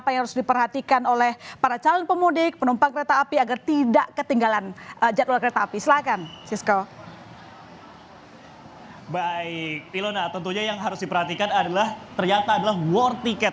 yang diperhatikan adalah ternyata adalah war tiket